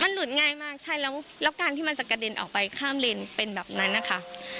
หลุดง่ายมากใช่แล้วการที่มันจะกระเด็นออกไปข้ามเลนเป็นแบบนั้นนะคะ